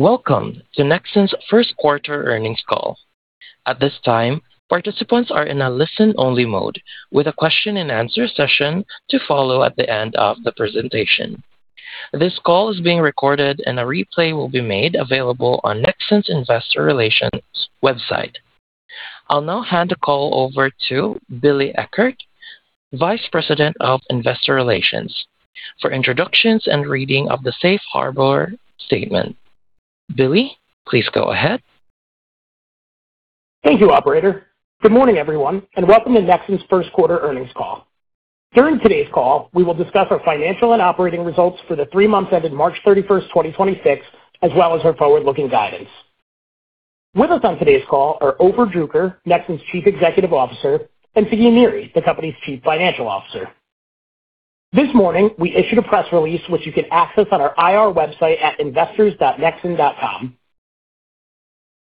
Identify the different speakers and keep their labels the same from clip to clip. Speaker 1: Welcome to Nexxen's first quarter earnings call. At this time, participants are in a listen-only mode with a question and answer session to follow at the end of the presentation. This call is being recorded, and a replay will be made available on Nexxen's Investor Relations website. I'll now hand the call over to Billy Eckert, Vice President of Investor Relations, for introductions and reading of the safe harbor statement. Billy, please go ahead.
Speaker 2: Thank you, operator. Good morning, everyone, and welcome to Nexxen's first quarter earnings call. During today's call, we will discuss our financial and operating results for the three months ended March 31, 2026, as well as our forward-looking guidance. With us on today's call are Ofer Druker, Nexxen's chief executive officer, and Sagi Niri, the company's chief financial officer. This morning, we issued a press release which you can access on our IR website at investors.nexxen.com.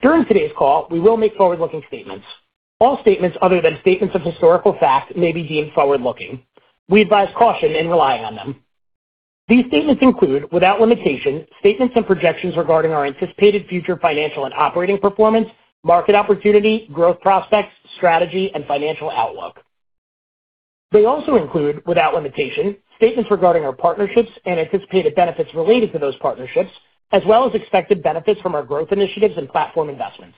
Speaker 2: During today's call, we will make forward-looking statements. All statements other than statements of historical fact may be deemed forward-looking. We advise caution in relying on them. These statements include, without limitation, statements and projections regarding our anticipated future financial and operating performance, market opportunity, growth prospects, strategy, and financial outlook. They also include, without limitation, statements regarding our partnerships and anticipated benefits related to those partnerships, as well as expected benefits from our growth initiatives and platform investments.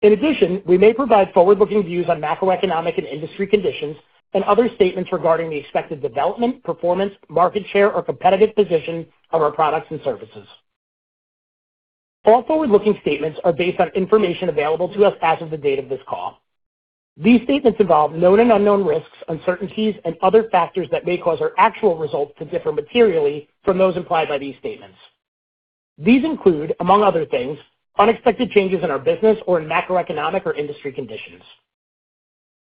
Speaker 2: In addition, we may provide forward-looking views on macroeconomic and industry conditions and other statements regarding the expected development, performance, market share, or competitive position of our products and services. All forward-looking statements are based on information available to us as of the date of this call. These statements involve known and unknown risks, uncertainties and other factors that may cause our actual results to differ materially from those implied by these statements. These include, among other things, unexpected changes in our business or in macroeconomic or industry conditions.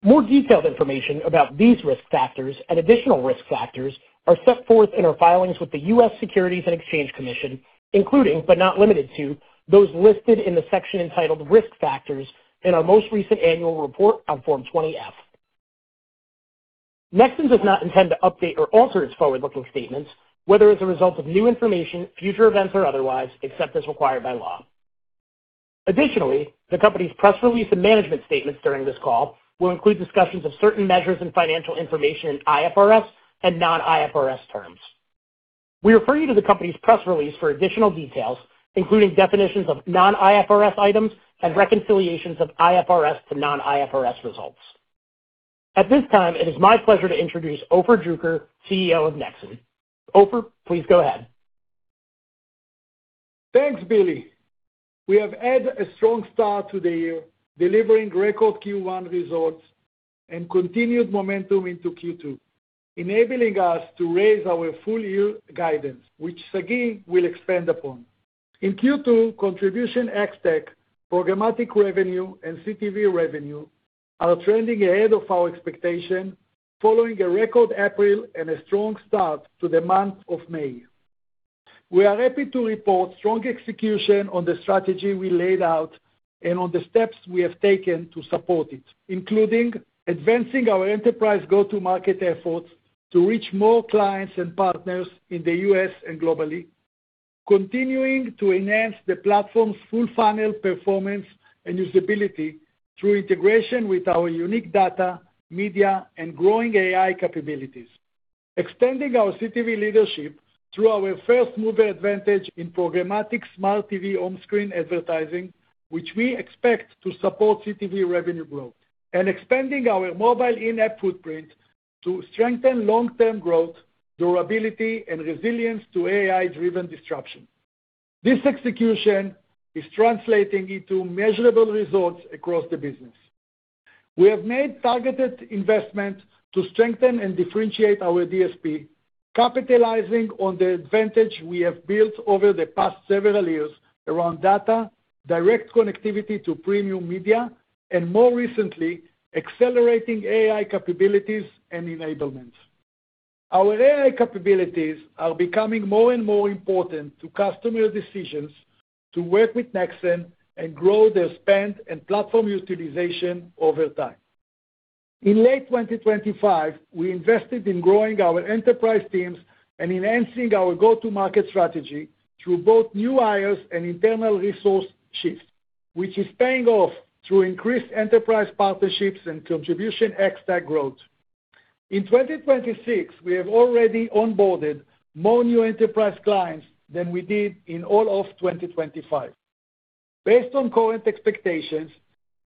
Speaker 2: More detailed information about these risk factors and additional risk factors are set forth in our filings with the U.S. Securities and Exchange Commission, including, but not limited to, those listed in the section entitled Risk Factors in our most recent annual report on Form 20-F. Nexxen does not intend to update or alter its forward-looking statements, whether as a result of new information, future events or otherwise, except as required by law. Additionally, the company's press release and management statements during this call will include discussions of certain measures and financial information in IFRS and non-IFRS terms. We refer you to the company's press release for additional details, including definitions of non-IFRS items and reconciliations of IFRS to non-IFRS results. At this time, it is my pleasure to introduce Ofer Druker, CEO of Nexxen. Ofer, please go ahead.
Speaker 3: Thanks, Billy. We have had a strong start to the year, delivering record Q1 results and continued momentum into Q2, enabling us to raise our full-year guidance, which Sagi will expand upon. In Q2, Contribution ex-TAC, programmatic revenue, and CTV revenue are trending ahead of our expectation following a record April and a strong start to the month of May. We are happy to report strong execution on the strategy we laid out and on the steps we have taken to support it, including advancing our enterprise go-to-market efforts to reach more clients and partners in the U.S. and globally, continuing to enhance the platform's full funnel performance and usability through integration with our unique data, media, and growing AI capabilities, and extending our CTV leadership through our first-mover advantage in programmatic Smart TV Home Screen advertising, which we expect to support CTV revenue growth. Expanding our mobile in-app footprint to strengthen long-term growth, durability, and resilience to AI-driven disruption. This execution is translating into measurable results across the business. We have made targeted investment to strengthen and differentiate our DSP, capitalizing on the advantage we have built over the past several years around data, direct connectivity to premium media, and more recently, accelerating AI capabilities and enablement. Our AI capabilities are becoming more and more important to customer decisions to work with Nexxen and grow their spend and platform utilization over time. In late 2025, we invested in growing our enterprise teams and enhancing our go-to-market strategy through both new hires and internal resource shift, which is paying off through increased enterprise partnerships and Contribution ex-TAC growth. In 2026, we have already onboarded more new enterprise clients than we did in all of 2025. Based on current expectations,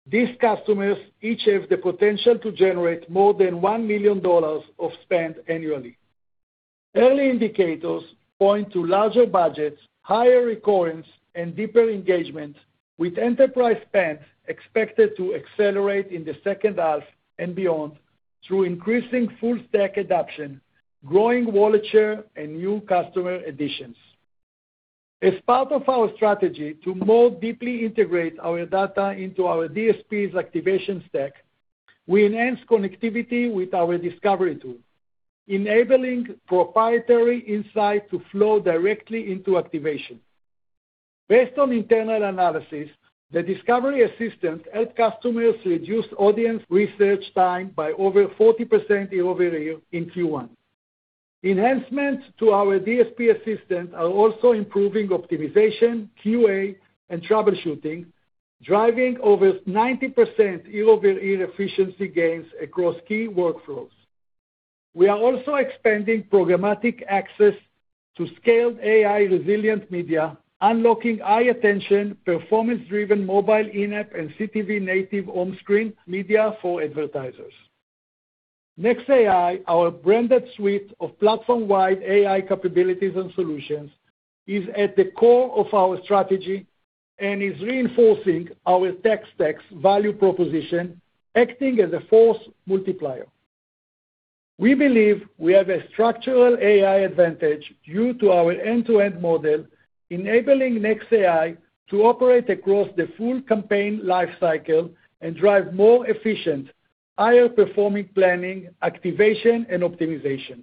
Speaker 3: these customers each have the potential to generate more than $1 million of spend annually. Early indicators point to larger budgets, higher recurrence, and deeper engagement, with enterprise spend expected to accelerate in the second half and beyond through increasing full stack adoption, growing wallet share, and new customer additions. As part of our strategy to more deeply integrate our data into our DSP's activation stack, we enhance connectivity with our discovery tool, enabling proprietary insight to flow directly into activation. Based on internal analysis, the discovery assistant helped customers reduce audience research time by over 40% year-over-year in Q1. Enhancements to our DSP assistant are also improving optimization, QA, and troubleshooting, driving over 90% year-over-year efficiency gains across key workflows. We are also expanding programmatic access to scaled AI resilient media, unlocking high attention, performance-driven mobile in-app and CTV native on-screen media for advertisers. nexAI, our branded suite of platform-wide AI capabilities and solutions, is at the core of our strategy and is reinforcing our tech stacks value proposition acting as a force multiplier. We believe we have a structural AI advantage due to our end-to-end model, enabling nexAI to operate across the full campaign life cycle and drive more efficient, higher-performing planning, activation, and optimization.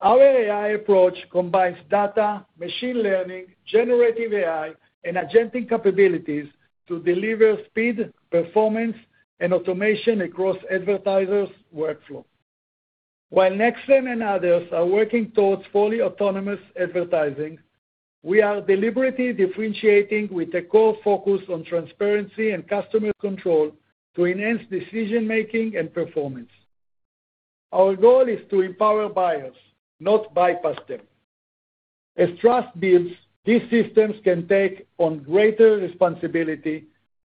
Speaker 3: Our AI approach combines data, machine learning, generative AI, and agentic capabilities to deliver speed, performance, and automation across advertisers workflow. While Nexxen and others are working towards fully autonomous advertising, we are deliberately differentiating with a core focus on transparency and customer control to enhance decision-making and performance. Our goal is to empower buyers, not bypass them. As trust builds, these systems can take on greater responsibility,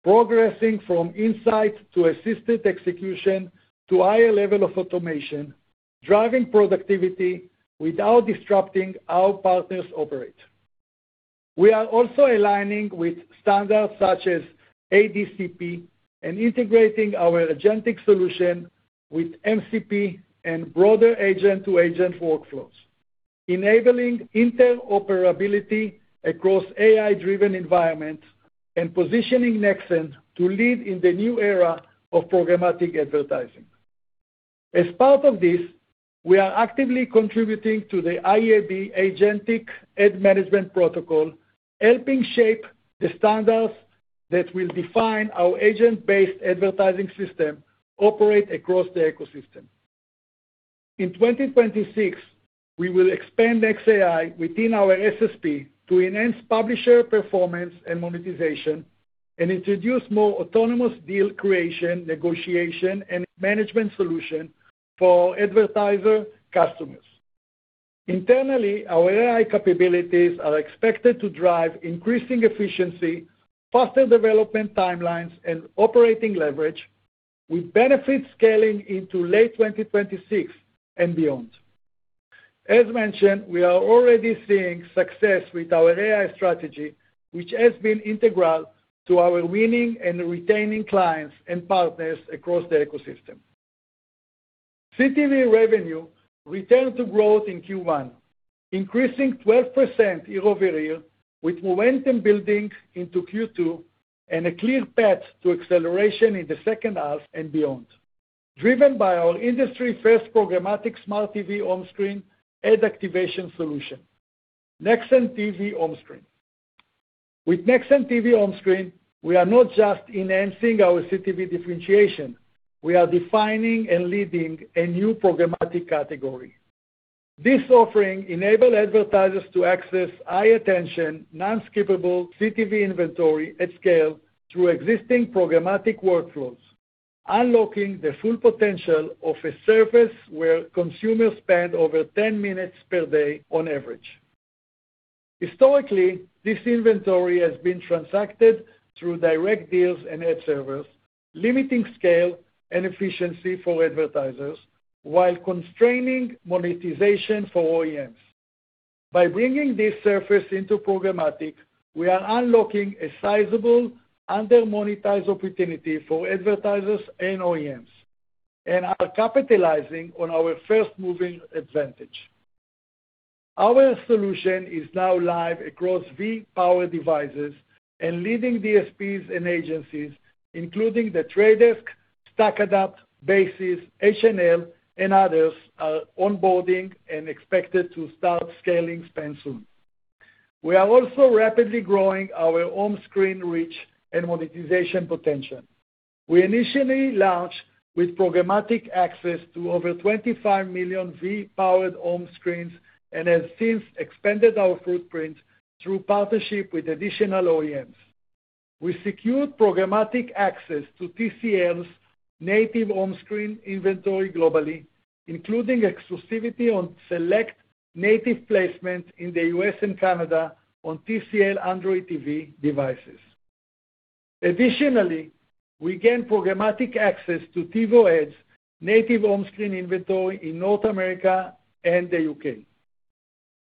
Speaker 3: progressing from insight to assisted execution to higher level of automation, driving productivity without disrupting how partners operate. We are also aligning with standards such as AdCP and integrating our agentic solution with MCP and broader agent-to-agent workflows, enabling interoperability across AI-driven environments and positioning Nexxen to lead in the new era of programmatic advertising. As part of this, we are actively contributing to the IAB Agentic Ad Management Protocols, helping shape the standards that will define how agent-based advertising system operate across the ecosystem. In 2026, we will expand nexAI within our SSP to enhance publisher performance and monetization and introduce more autonomous deal creation, negotiation, and management solution for advertiser customers. Internally, our AI capabilities are expected to drive increasing efficiency, faster development timelines, and operating leverage with benefit scaling into late 2026 and beyond. As mentioned, we are already seeing success with our AI strategy, which has been integral to our winning and retaining clients and partners across the ecosystem. CTV revenue returned to growth in Q1, increasing 12% year-over-year with momentum building into Q2 and a clear path to acceleration in the second half and beyond. Driven by our industry-first programmatic Smart TV on-screen ad activation solution, Nexxen TV Home Screen. With Nexxen TV Home Screen, we are not just enhancing our CTV differentiation, we are defining and leading a new programmatic category. This offering enable advertisers to access high attention, non-skippable CTV inventory at scale through existing programmatic workflows, unlocking the full potential of a surface where consumers spend over 10 minutes per day on average. Historically, this inventory has been transacted through direct deals and ad servers, limiting scale and efficiency for advertisers while constraining monetization for OEMs. By bringing this surface into programmatic, we are unlocking a sizable under-monetized opportunity for advertisers and OEMs, and are capitalizing on our first-moving advantage. Our solution is now live across VIDAA-powered devices and leading DSPs and agencies, including The Trade Desk, StackAdapt, Basis, H&L, and others are onboarding and expected to start scaling spend soon. We are also rapidly growing our home screen reach and monetization potential. We initially launched with programmatic access to over 25 million VIDAA-powered home screens and have since expanded our footprint through partnership with additional OEMs. We secured programmatic access to TCL's native on-screen inventory globally, including exclusivity on select native placement in the U.S. and Canada on TCL Android TV devices. Additionally, we gain programmatic access to TiVo EDGE native on-screen inventory in North America and the U.K.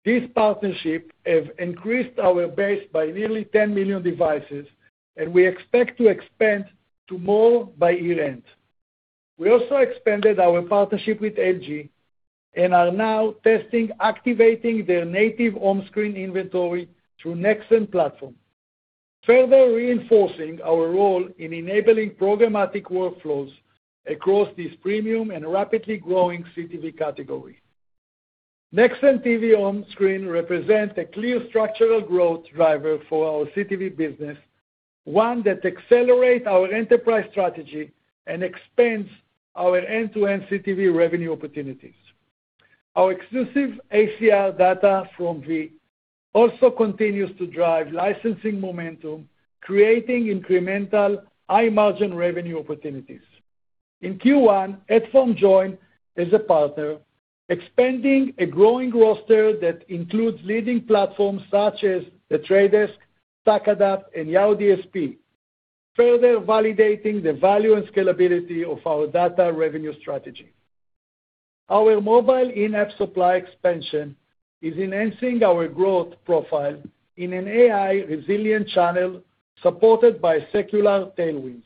Speaker 3: These partnerships have increased our base by nearly 10 million devices. We expect to expand to more by year-end. We also expanded our partnership with LG and are now testing activating their native on-screen inventory through Nexxen platform, further reinforcing our role in enabling programmatic workflows across this premium and rapidly growing CTV category. Nexxen TV Home Screen represents a clear structural growth driver for our CTV business, one that accelerates our enterprise strategy and expands our end-to-end CTV revenue opportunities. Our exclusive ACR data from VIDAA also continues to drive licensing momentum, creating incremental high-margin revenue opportunities. In Q1, Adform joined as a partner, expanding a growing roster that includes leading platforms such as The Trade Desk, StackAdapt, and Yahoo DSP, further validating the value and scalability of our data revenue strategy. Our mobile in-app supply expansion is enhancing our growth profile in an AI-resilient channel supported by secular tailwinds.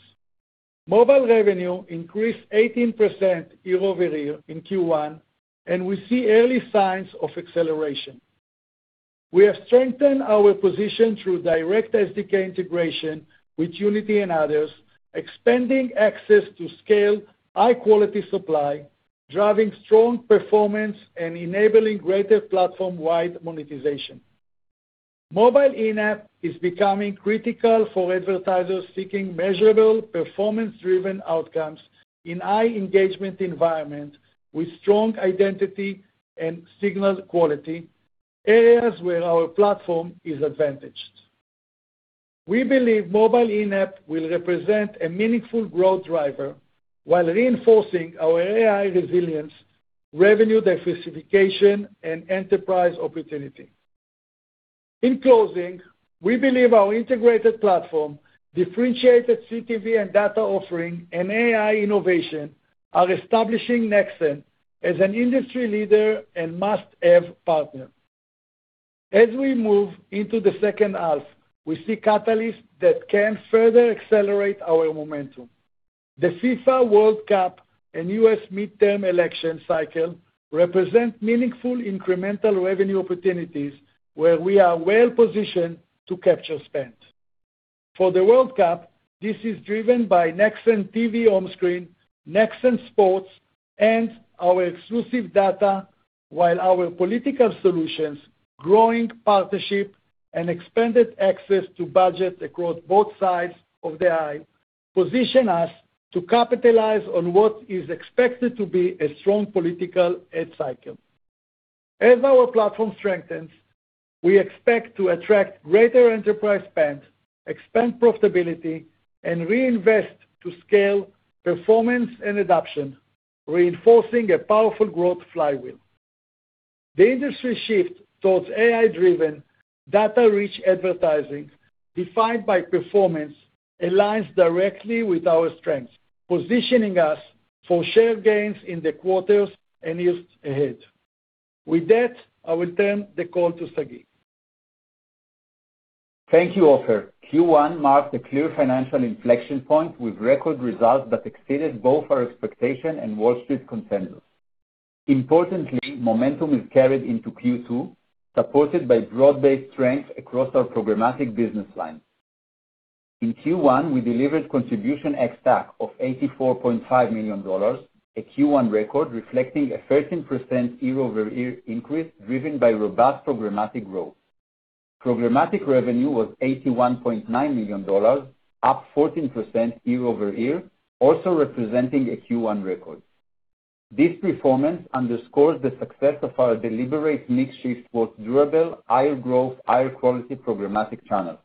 Speaker 3: Mobile revenue increased 18% year-over-year in Q1. We see early signs of acceleration. We have strengthened our position through direct SDK integration with Unity and others, expanding access to scale high-quality supply, driving strong performance, and enabling greater platform-wide monetization. Mobile in-app is becoming critical for advertisers seeking measurable, performance-driven outcomes in high engagement environment with strong identity and signal quality, areas where our platform is advantaged. We believe mobile in-app will represent a meaningful growth driver while reinforcing our AI resilience, revenue diversification, and enterprise opportunity. In closing, we believe our integrated platform, differentiated CTV and data offering, and AI innovation are establishing Nexxen as an industry leader and must-have partner. As we move into the second half, we see catalysts that can further accelerate our momentum. The FIFA World Cup and U.S. midterm election cycle represent meaningful incremental revenue opportunities where we are well-positioned to capture spend. For the World Cup, this is driven by Nexxen TV Home Screen, Nexxen Sports, and our exclusive data, while our political solutions, growing partnership, and expanded access to budget across both sides of the aisle position us to capitalize on what is expected to be a strong political ad cycle. As our platform strengthens, we expect to attract greater enterprise spend, expand profitability, and reinvest to scale performance and adoption, reinforcing a powerful growth flywheel. The industry shift towards AI-driven, data-rich advertising defined by performance aligns directly with our strengths, positioning us for share gains in the quarters and years ahead. With that, I will turn the call to Sagi.
Speaker 4: Thank you, Ofer. Q1 marked a clear financial inflection point with record results that exceeded both our expectation and Wall Street consensus. Importantly, momentum is carried into Q2, supported by broad-based strength across our programmatic business lines. In Q1, we delivered contribution ex-TAC of $84.5 million, a Q1 record reflecting a 13% year-over-year increase driven by robust programmatic growth. Programmatic revenue was $81.9 million, up 14% year-over-year, also representing a Q1 record. This performance underscores the success of our deliberate mix shift towards durable, higher growth, higher quality programmatic channels.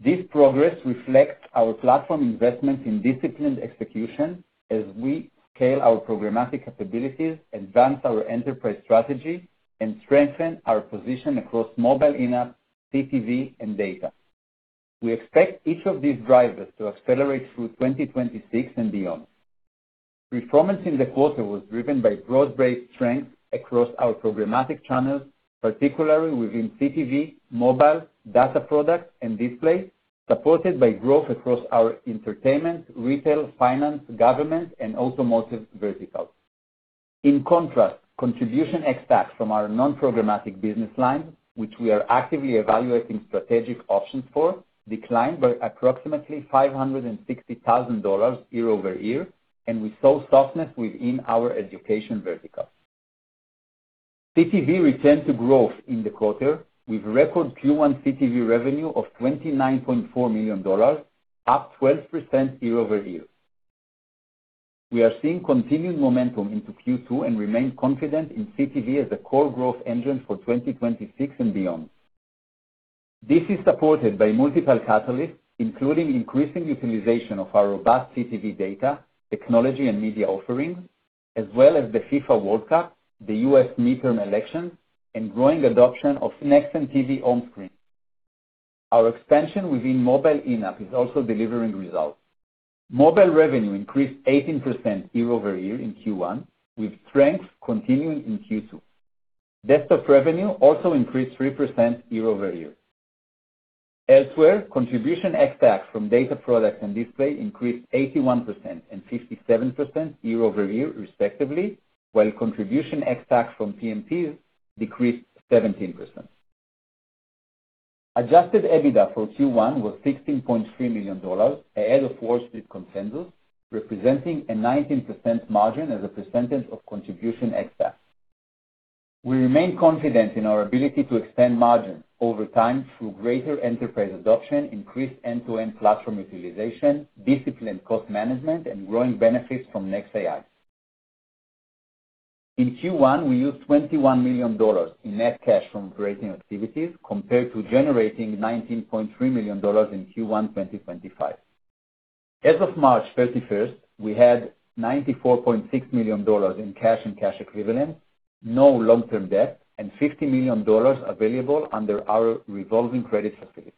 Speaker 4: This progress reflects our platform investment in disciplined execution as we scale our programmatic capabilities, advance our enterprise strategy, and strengthen our position across mobile in-app, CTV, and data. We expect each of these drivers to accelerate through 2026 and beyond. Performance in the quarter was driven by broad-based strength across our programmatic channels, particularly within CTV, mobile, data products, and display, supported by growth across our entertainment, retail, finance, government, and automotive verticals. In contrast, Contribution ex-TAC from our non-programmatic business lines, which we are actively evaluating strategic options for, declined by approximately $560,000 year-over-year, and we saw softness within our education vertical. CTV returned to growth in the quarter with record Q1 CTV revenue of $29.4 million, up 12% year-over-year. We are seeing continued momentum into Q2 and remain confident in CTV as a core growth engine for 2026 and beyond. This is supported by multiple catalysts, including increasing utilization of our robust CTV data, technology and media offerings, as well as the FIFA World Cup, the U.S. midterm elections, and growing adoption of Nexxen TV Home Screen. Our expansion within mobile in-app is also delivering results. Mobile revenue increased 18% year-over-year in Q1, with strength continuing in Q2. Desktop revenue also increased 3% year-over-year. Elsewhere, Contribution ex-TAC from data products and display increased 81% and 57% year-over-year respectively, while Contribution ex-TAC from PMPs decreased 17%. Adjusted EBITDA for Q1 was $16.3 million, ahead of Wall Street consensus, representing a 19% margin as a percentage of Contribution ex-TAC. We remain confident in our ability to expand margins over time through greater enterprise adoption, increased end-to-end platform utilization, disciplined cost management, and growing benefits from nexAI. In Q1, we used $21 million in net cash from operating activities compared to generating $19.3 million in Q1 2025. As of March 31st, we had $94.6 million in cash and cash equivalents, no long-term debt, and $50 million available under our revolving credit facility.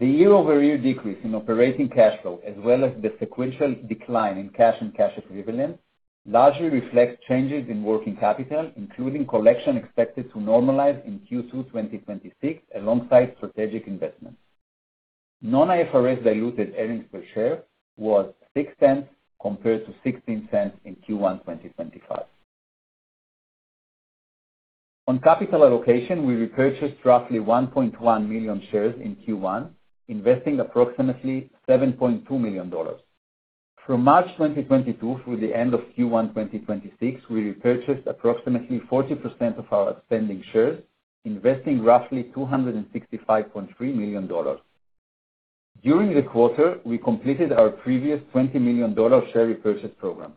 Speaker 4: The year-over-year decrease in operating cash flow, as well as the sequential decline in cash and cash equivalents, largely reflect changes in working capital, including collection expected to normalize in Q2 2026 alongside strategic investments. Non-IFRS diluted earnings per share was $0.06 compared to $0.16 in Q1 2025. On capital allocation, we repurchased roughly 1.1 million shares in Q1, investing approximately $7.2 million. From March 2022 through the end of Q1 2026, we repurchased approximately 40% of our outstanding shares, investing roughly $265.3 million. During the quarter, we completed our previous $20 million share repurchase program.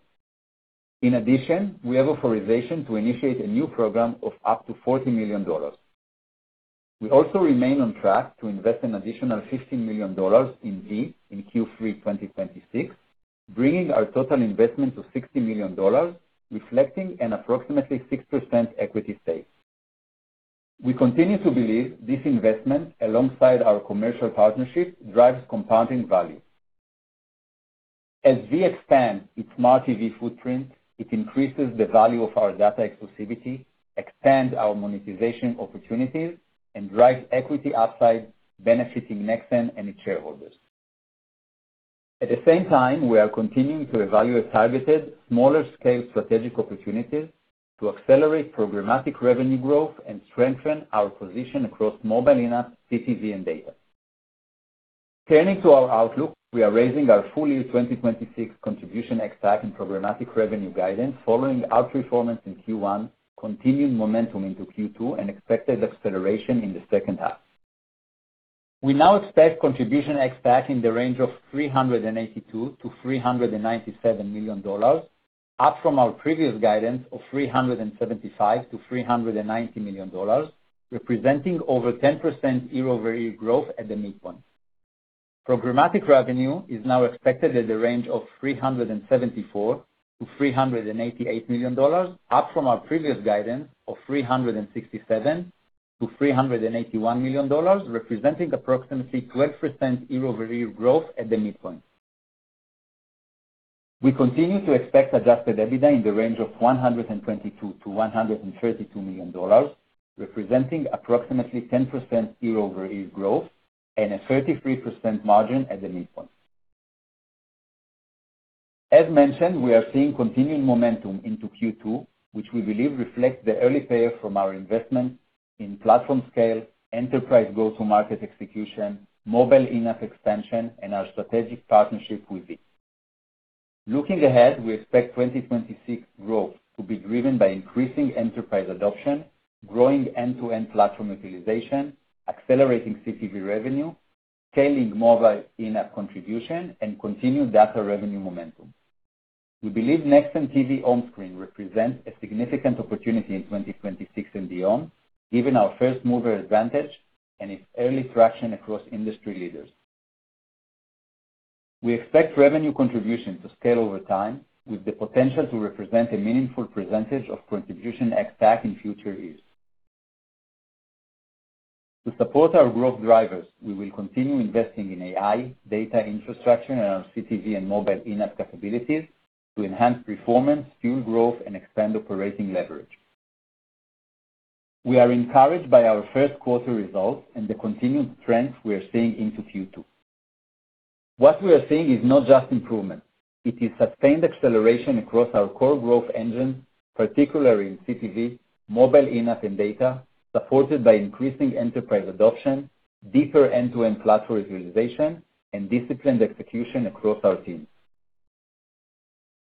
Speaker 4: In addition, we have authorization to initiate a new program of up to $40 million. We also remain on track to invest an additional $15 million in VIDAA in Q3 2026, bringing our total investment to $60 million, reflecting an approximately 6% equity stake. We continue to believe this investment, alongside our commercial partnership, drives compounding value. As VIDAA expands its Smart TV footprint, it increases the value of our data exclusivity, expands our monetization opportunities, and drives equity upside benefiting Nexxen and its shareholders. At the same time, we are continuing to evaluate targeted, smaller-scale strategic opportunities to accelerate programmatic revenue growth and strengthen our position across mobile in-app, CTV, and data. Turning to our outlook, we are raising our full-year 2026 Contribution ex-TAC and programmatic revenue guidance following outperformance in Q1, continuing momentum into Q2, and expected acceleration in the second half. We now expect Contribution ex-TAC in the range of $382 million-$397 million, up from our previous guidance of $375 million-$390 million, representing over 10% year-over-year growth at the midpoint. Programmatic revenue is now expected at the range of $374 million-$388 million, up from our previous guidance of $367 million-$381 million, representing approximately 12% year-over-year growth at the midpoint. We continue to expect Adjusted EBITDA in the range of $122 million-$132 million, representing approximately 10% year-over-year growth and a 33% margin at the midpoint. As mentioned, we are seeing continuing momentum into Q2, which we believe reflects the early payoff from our investments in platform scale, enterprise go-to-market execution, mobile in-app expansion, and our strategic partnership with VIDAA. Looking ahead, we expect 2026 growth to be driven by increasing enterprise adoption, growing end-to-end platform utilization, accelerating CTV revenue, scaling mobile in-app contribution, and continued data revenue momentum. We believe Nexxen TV Home Screen represents a significant opportunity in 2026 and beyond, given our first-mover advantage and its early traction across industry leaders. We expect revenue contribution to scale over time with the potential to represent a meaningful percentage of Contribution ex-TAC in future years. To support our growth drivers, we will continue investing in AI, data infrastructure, and our CTV and mobile in-app capabilities to enhance performance, fuel growth, and expand operating leverage. We are encouraged by our first quarter results and the continued trends we are seeing into Q2. What we are seeing is not just improvement. It is sustained acceleration across our core growth engines, particularly in CTV, mobile in-app, and data, supported by increasing enterprise adoption, deeper end-to-end platform utilization, and disciplined execution across our teams.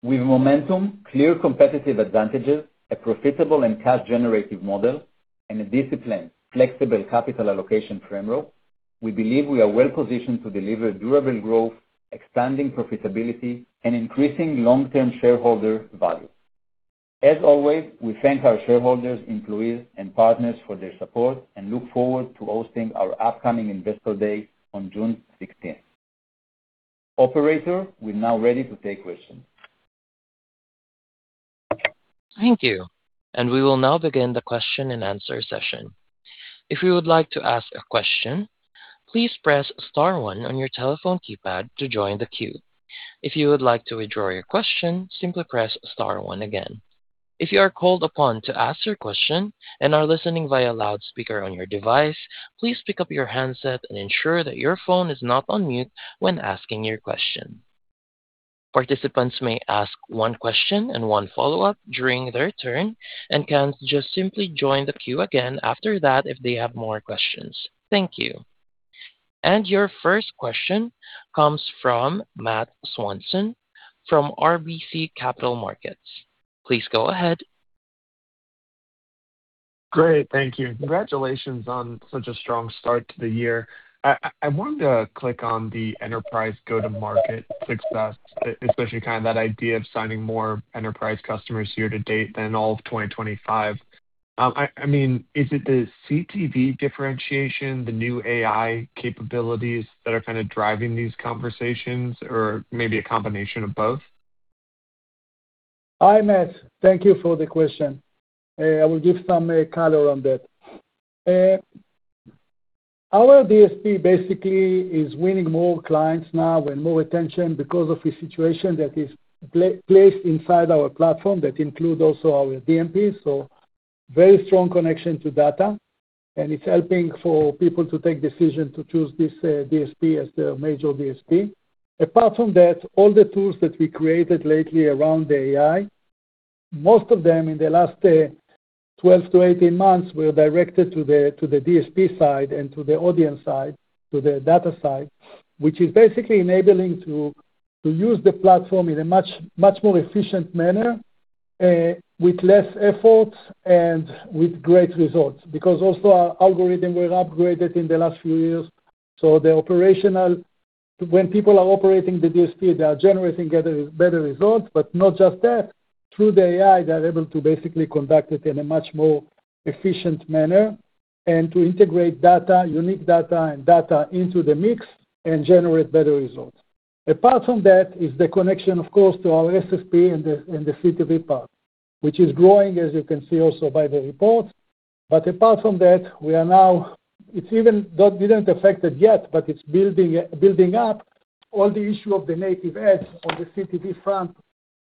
Speaker 4: With momentum, clear competitive advantages, a profitable and cash-generative model, and a disciplined, flexible capital allocation framework, we believe we are well positioned to deliver durable growth, expanding profitability, and increasing long-term shareholder value. As always, we thank our shareholders, employees, and partners for their support and look forward to hosting our upcoming Investor Day on June 16th. Operator, we are now ready to take questions.
Speaker 1: Thank you. We will now begin the question-and-answer session. If you would like to ask a question, please press star one on your telephone keypad to join the queue. If you would like to withdraw your question, simply press star one again. If you are called upon to ask your question and are listening via loudspeaker on your device, please pick up your handset and ensure that your phone is not on mute when asking your question. Participants may ask one question and one follow-up during their turn and can just simply join the queue again after that if they have more questions. Thank you. Your first question comes from Matthew Swanson from RBC Capital Markets. Please go ahead.
Speaker 5: Great. Thank you. Congratulations on such a strong start to the year. I wanted to click on the enterprise go-to-market success, especially kind of that idea of signing more enterprise customers year to date than all of 2025. I mean, is it the CTV differentiation, the new AI capabilities that are kinda driving these conversations, or maybe a combination of both?
Speaker 3: Hi, Matt. Thank you for the question. I will give some color on that. Our DSP basically is winning more clients now and more attention because of the situation that is placed inside our platform that includes also our DMP. Very strong connection to data, and it's helping for people to take decision to choose this DSP as their major DSP. Apart from that, all the tools that we created lately around the AI, most of them in the last 12-18 months were directed to the DSP side and to the audience side, to the data side, which is basically enabling to use the platform in a much, much more efficient manner with less effort and with great results. Because also our algorithm were upgraded in the last few years. The operational-- When people are operating the DSP, they are generating better results. Not just that, through the AI, they're able to basically conduct it in a much more efficient manner and to integrate data, unique data and data into the mix and generate better results. Apart from that is the connection, of course, to our SSP and the CTV part, which is growing, as you can see also by the report. Apart from that, we are now that didn't affect it yet, but it's building up all the issue of the native ads on the CTV front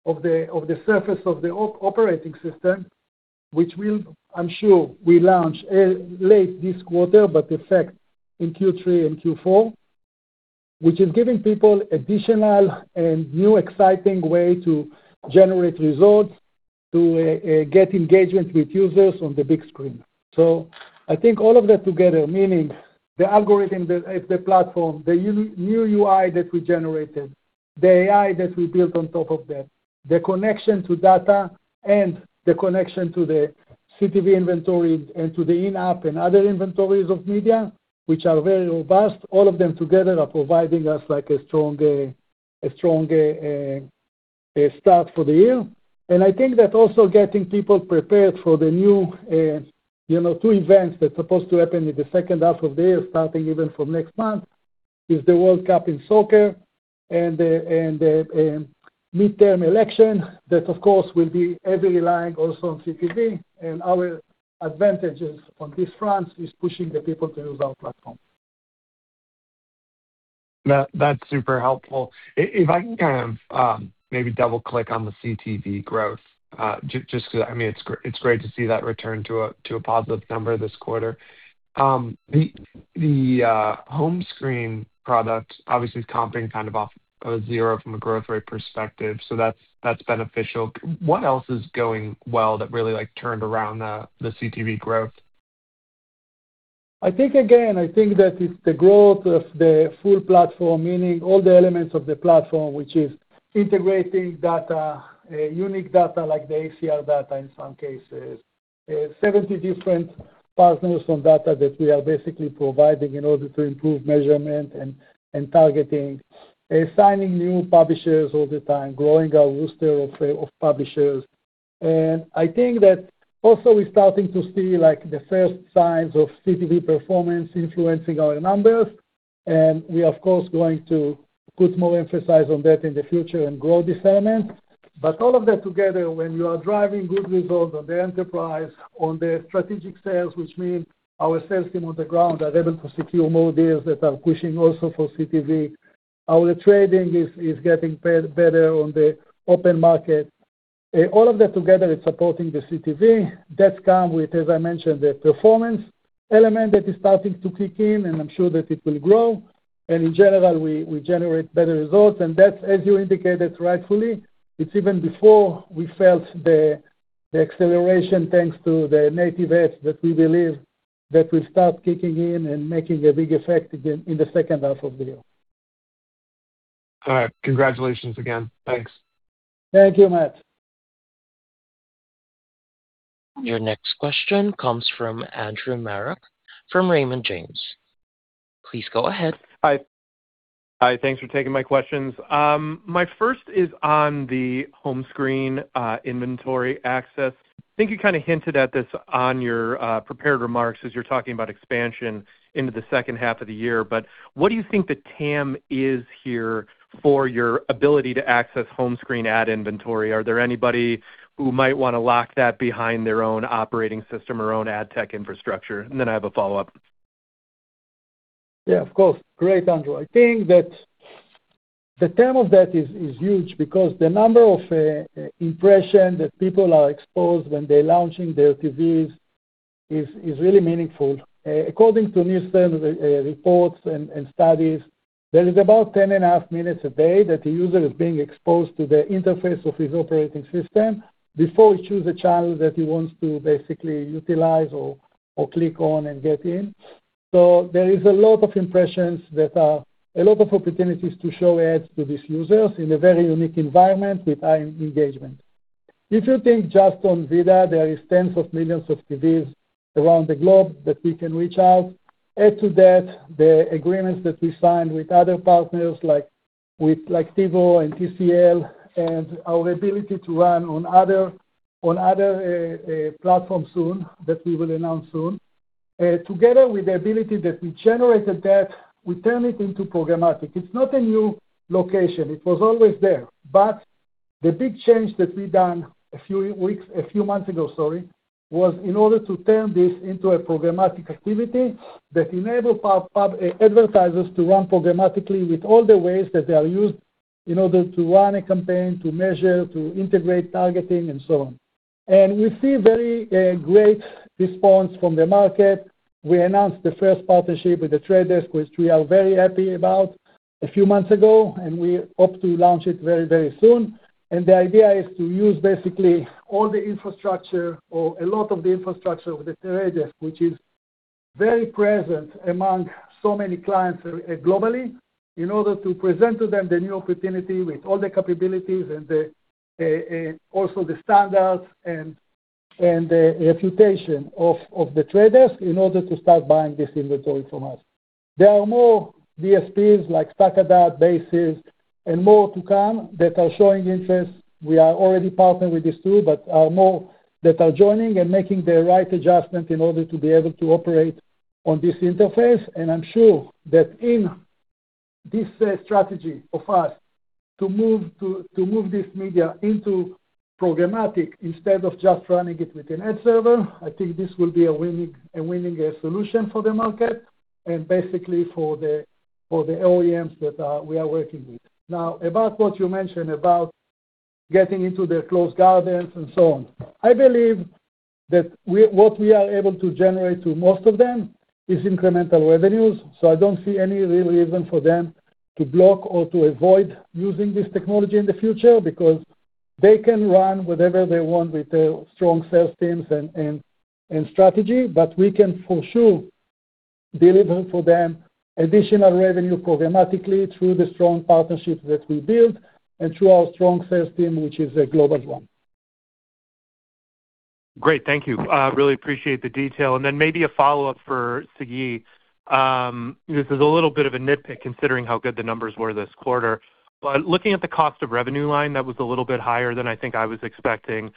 Speaker 3: of the surface of the operating system, which will, I'm sure, will launch late this quarter, but effect in Q3 and Q4, which is giving people additional and new exciting way to generate results, to get engagement with users on the big screen. I think all of that together, meaning the algorithm, the platform, the new UI that we generated, the AI that we built on top of that, the connection to data and the connection to the CTV inventory and to the in-app and other inventories of media, which are very robust, all of them together are providing us like a strong start for the year. I think that also getting people prepared for the new, you know, two events that's supposed to happen in the second half of the year, starting even from next month, is the World Cup in soccer and the midterm election. That, of course, will be heavily relying also on CTV. Our advantages on this front is pushing the people to use our platform.
Speaker 5: That's super helpful. If I can kind of, maybe double-click on the CTV growth, just 'cause, I mean, it's great to see that return to a positive number this quarter. The home screen product obviously is comping kind of off of zero from a growth rate perspective, so that's beneficial. What else is going well that really, like, turned around the CTV growth?
Speaker 3: I think again, I think that it's the growth of the full platform, meaning all the elements of the platform, which is integrating data, unique data like the ACR data in some cases, 70 different partners from data that we are basically providing in order to improve measurement and targeting. Signing new publishers all the time, growing our roster of publishers. I think that also we're starting to see, like, the first signs of CTV performance influencing our numbers, and we are of course, going to put more emphasis on that in the future and grow this segment. All of that together, when you are driving good results on the enterprise, on the strategic sales, which mean our sales team on the ground are able to secure more deals that are pushing also for CTV. Our trading is getting better on the open market. All of that together is supporting the CTV that come with, as I mentioned, the performance element that is starting to kick in, and I'm sure that it will grow. In general, we generate better results. That's, as you indicated rightfully, it's even before we felt the acceleration thanks to the native ads that we believe that will start kicking in and making a big effect again in the second half of the year.
Speaker 5: All right. Congratulations again. Thanks.
Speaker 3: Thank you, Matt.
Speaker 1: Your next question comes from Andrew Marok from Raymond James. Please go ahead.
Speaker 6: Hi, thanks for taking my questions. My first is on the home screen inventory access. I think you kinda hinted at this on your prepared remarks as you're talking about expansion into the second half of the year. What do you think the TAM is here for your ability to access home screen ad inventory? Are there anybody who might wanna lock that behind their own operating system or own ad tech infrastructure? I have a follow-up.
Speaker 3: Yeah, of course. Great, Andrew. I think that the TAM of that is huge because the number of impression that people are exposed when they're launching their TVs is really meaningful. According to Nielsen re-reports and studies. There is about 10.5 minutes a day that the user is being exposed to the interface of his operating system before he choose a channel that he wants to basically utilize or click on and get in. There is a lot of impressions a lot of opportunities to show ads to these users in a very unique environment with high engagement. If you think just on VIDAA, there is tens of millions of TVs around the globe that we can reach out. Add to that the agreements that we signed with other partners with TiVo and TCL, and our ability to run on other platforms soon, that we will announce soon. Together with the ability that we generated that, we turn it into programmatic. It's not a new location. It was always there. The big change that we done a few weeks, a few months ago, sorry, was in order to turn this into a programmatic activity that enable advertisers to run programmatically with all the ways that they are used in order to run a campaign, to measure, to integrate targeting and so on. We see very great response from the market. We announced the first partnership with The Trade Desk, which we are very happy about a few months ago, we hope to launch it very, very soon. The idea is to use basically all the infrastructure or a lot of the infrastructure with The Trade Desk, which is very present among so many clients, globally, in order to present to them the new opportunity with all the capabilities and the also the standards and the reputation of The Trade Desk in order to start buying this inventory from us. There are more DSPs like StackAdapt, Basis, and more to come that are showing interest. We are already partnered with these two, but are more that are joining and making the right adjustment in order to be able to operate on this interface. I'm sure that in this strategy of us to move this media into programmatic instead of just running it with an ad server, I think this will be a winning, a winning solution for the market and basically for the OEMs that we are working with. About what you mentioned about getting into their closed gardens and so on. I believe that what we are able to generate to most of them is incremental revenues, so I don't see any real reason for them to block or to avoid using this technology in the future because they can run whatever they want with their strong sales teams and strategy. We can for sure deliver for them additional revenue programmatically through the strong partnerships that we build and through our strong sales team, which is a global one.
Speaker 6: Great. Thank you. Really appreciate the detail. Then maybe a follow-up for Sagi. This is a little bit of a nitpick considering how good the numbers were this quarter. Looking at the cost of revenue line, that was a little bit higher than I think I was expecting.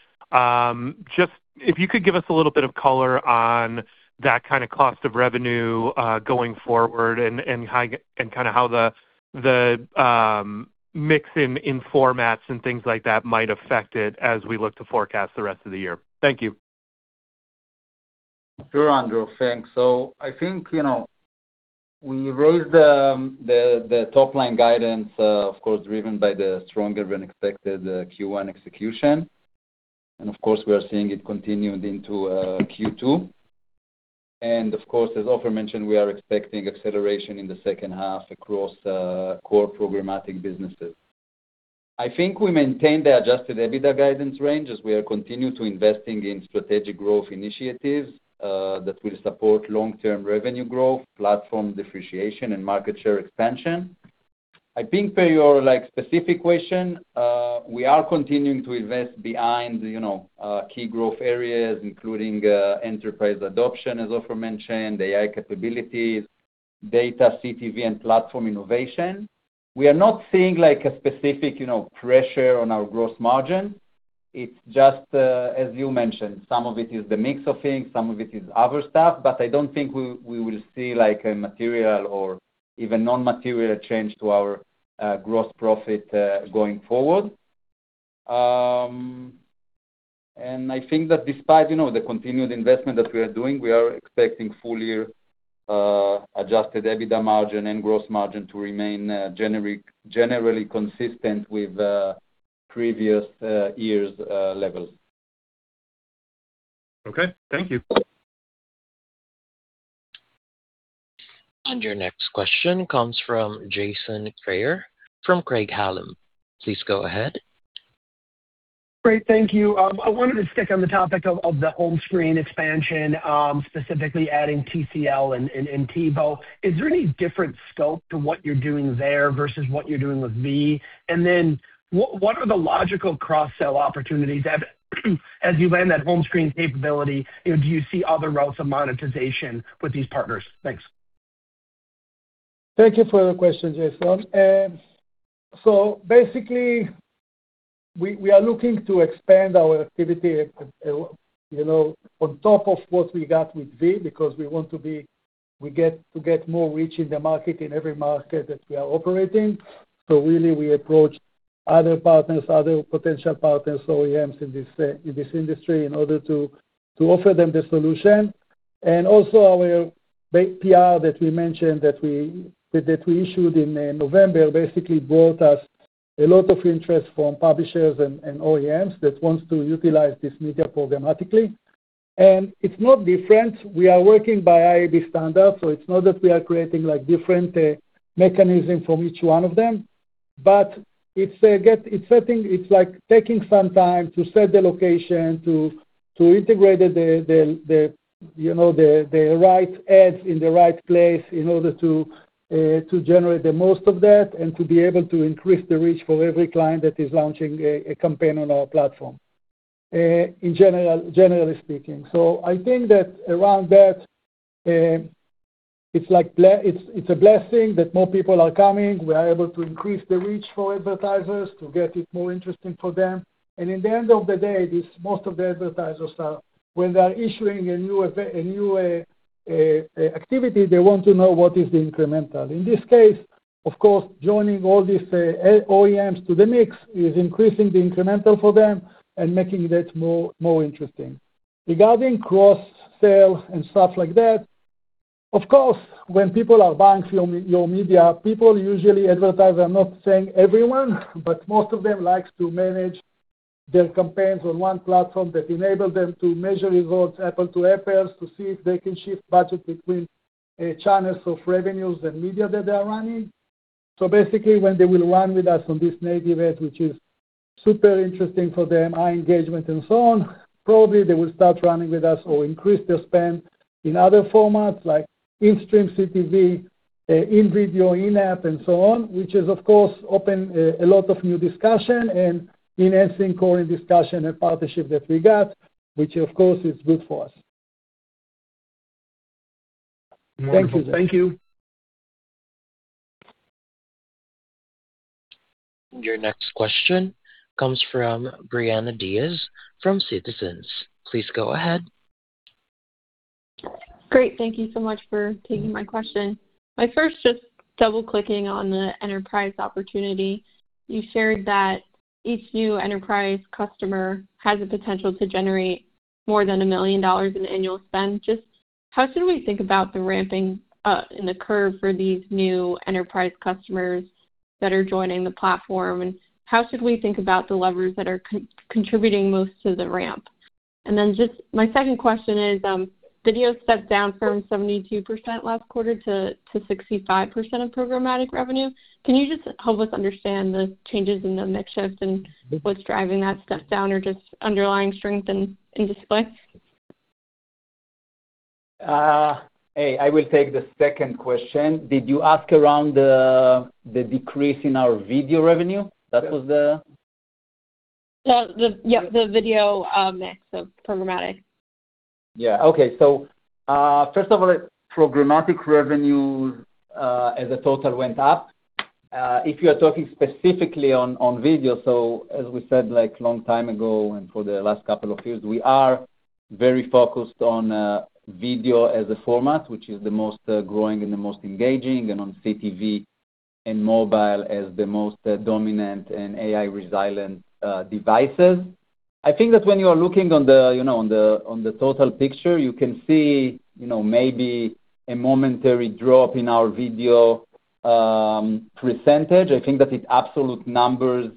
Speaker 6: Just if you could give us a little bit of color on that kind of cost of revenue going forward and how the mix in formats and things like that might affect it as we look to forecast the rest of the year. Thank you.
Speaker 4: Sure, Andrew. Thanks. I think, you know, we raised the top-line guidance, of course driven by the stronger than expected Q1 execution. Of course we are seeing it continued into Q2. Of course, as Ofer mentioned, we are expecting acceleration in the second half across core programmatic businesses. I think we maintain the Adjusted EBITDA guidance range as we are continuing to investing in strategic growth initiatives that will support long-term revenue growth, platform differentiation and market share expansion. I think for your like specific question, we are continuing to invest behind, you know, key growth areas, including enterprise adoption, as Ofer mentioned, AI capabilities, data CTV and platform innovation. We are not seeing like a specific, you know, pressure on our gross margin. It's just, as you mentioned, some of it is the mix of things, some of it is other stuff, but I don't think we will see like a material or even non-material change to our gross profit going forward. I think that despite, you know, the continued investment that we are doing, we are expecting full year Adjusted EBITDA margin and gross margin to remain generally consistent with previous years' levels.
Speaker 6: Okay. Thank you.
Speaker 1: Your next question comes from Jason Kreyer from Craig-Hallum. Please go ahead.
Speaker 7: Great, thank you. I wanted to stick on the topic of the home screen expansion, specifically adding TCL and TiVo. Is there any different scope to what you're doing there versus what you're doing with VIDAA? What are the logical cross-sell opportunities as you land that home screen capability? You know, do you see other routes of monetization with these partners? Thanks.
Speaker 3: Thank you for your question, Jason. Basically we are looking to expand our activity, you know, on top of what we got with VIDAA because we get to get more reach in the market, in every market that we are operating. Really we approach other partners, other potential partners, OEMs in this industry in order to offer them the solution. Also our PR that we mentioned that we issued in November basically brought us a lot of interest from publishers and OEMs that wants to utilize this media programmatically. It's not different. We are working by IAB standard, so it's not that we are creating like different mechanism from each one of them. It's like taking some time to set the location to integrate the right ads in the right place in order to generate the most of that and to be able to increase the reach for every client that is launching a campaign on our platform, generally speaking. I think that around that, it's a blessing that more people are coming. We are able to increase the reach for advertisers to get it more interesting for them. In the end of the day, most of the advertisers when they are issuing a new activity, they want to know what is the incremental. In this case, of course, joining all these OEMs to the mix is increasing the incremental for them and making that more interesting. Regarding cross-sale and stuff like that, of course, when people are buying from your media, people usually advertise. I'm not saying everyone, but most of them likes to manage their campaigns on one platform that enable them to measure results apple to apples, to see if they can shift budget between channels of revenues and media that they are running. Basically, when they will run with us on this native ad, which is super interesting for them, high engagement and so on, probably they will start running with us or increase their spend in other formats like in-stream CTV, in-video, in-app, and so on, which is of course open a lot of new discussion and enhancing core discussion and partnership that we got, which of course is good for us.
Speaker 7: Wonderful. Thank you.
Speaker 1: Your next question comes from Brianna Diaz from Citizens. Please go ahead.
Speaker 8: Great. Thank you so much for taking my question. My first just double-clicking on the enterprise opportunity. You shared that each new enterprise customer has the potential to generate more than $1 million in annual spend. How should we think about the ramping up in the curve for these new enterprise customers that are joining the platform? How should we think about the levers that are contributing most to the ramp? Then just my second question is, video stepped down from 72% last quarter to 65% of programmatic revenue. Can you just help us understand the changes in the mix shift and what's driving that step down or just underlying strength in display?
Speaker 4: Hey, I will take the second question. Did you ask around the decrease in our video revenue?
Speaker 8: Yeah, the video, mix of programmatic.
Speaker 4: Yeah. Okay. First of all, programmatic revenue as a total went up. If you're talking specifically on video, as we said, like, long time ago and for the last couple of years, we are very focused on video as a format, which is the most growing and the most engaging and on CTV and mobile as the most dominant and AI resilient devices. I think that when you are looking on the, you know, on the, on the total picture, you can see, you know, maybe a momentary drop in our video percentage. I think that in absolute numbers,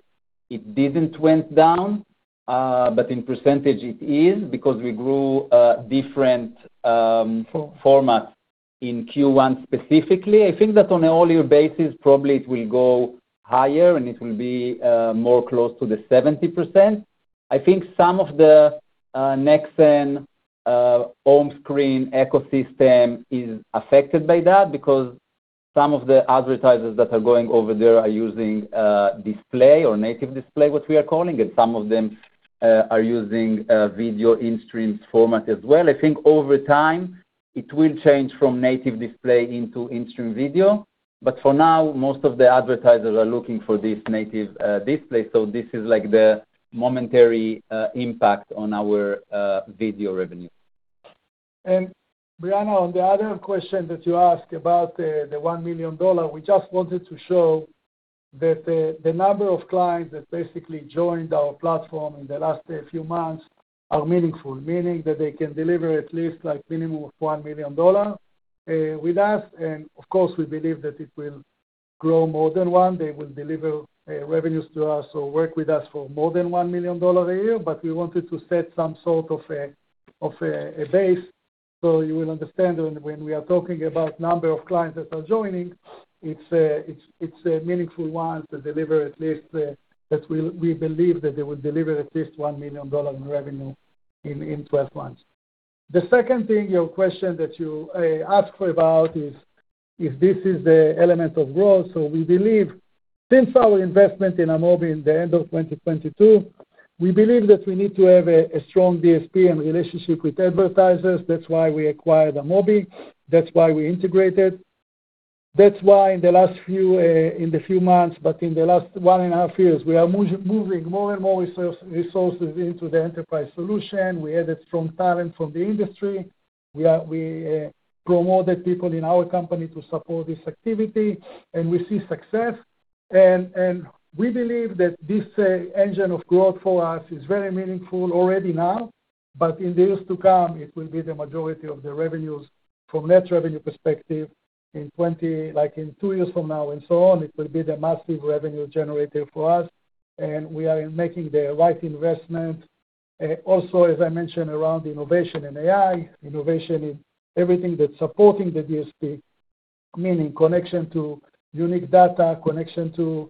Speaker 4: it didn't went down, but in percentage it is because we grew different formats in Q1 specifically. I think that on a yearly basis, probably it will go higher and it will be more close to the 70%. I think some of the Nexxen home screen ecosystem is affected by that because some of the advertisers that are going over there are using display or native display, what we are calling, and some of them are using video in-streams format as well. I think over time it will change from native display into in-stream video. For now, most of the advertisers are looking for this native display. This is like the momentary impact on our video revenue.
Speaker 3: Brianna, on the other question that you asked about the one million dollar, we just wanted to show that the number of clients that basically joined our platform in the last few months are meaningful, meaning that they can deliver at least like minimum of $1 million with us. Of course, we believe that it will grow more than one. They will deliver revenues to us or work with us for more than $1 million a year. We wanted to set some sort of a base so you will understand when we are talking about number of clients that are joining, it's a meaningful one to deliver at least that we believe that they will deliver at least $1 million in revenue in 12 months. The second thing, your question that you asked for about is this the element of growth. We believe since our investment in Amobee in the end of 2022, we believe that we need to have a strong DSP and relationship with advertisers. That's why we acquired Amobee. That's why we integrated. That's why in the last few, in the few months, but in the last 1.5 years, we are moving more and more resources into the enterprise solution. We added strong talent from the industry. We promoted people in our company to support this activity. We see success. We believe that this engine of growth for us is very meaningful already now. In the years to come, it will be the majority of the revenues from net revenue perspective like in two years from now and so on, it will be the massive revenue generator for us. We are making the right investment. Also, as I mentioned around innovation and AI, innovation in everything that is supporting the DSP, meaning connection to unique data, connection to